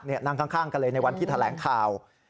นั่งข้างกันเลยในวันที่แถลงข่าว